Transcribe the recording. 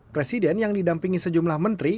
presiden yang didampingi sejumlah menteri